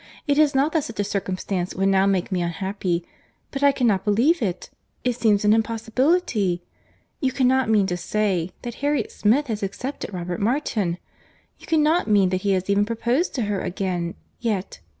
"It is not that such a circumstance would now make me unhappy, but I cannot believe it. It seems an impossibility!—You cannot mean to say, that Harriet Smith has accepted Robert Martin. You cannot mean that he has even proposed to her again—yet.